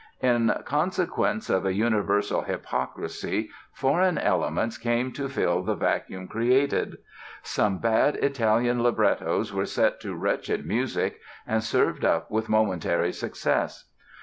In consequence of a universal hypocrisy foreign elements came to fill the vacuum created. Some bad Italian librettos were set to wretched music and served up with momentary success.